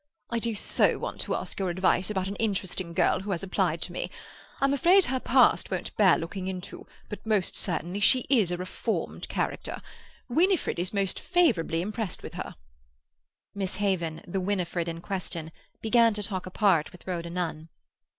"I do so want to ask your advice about an interesting girl who has applied to me. I'm afraid her past won't bear looking into, but most certainly she is a reformed character. Winifred is most favourably impressed with her—" Miss Haven, the Winifred in question, began to talk apart with Rhoda Nunn.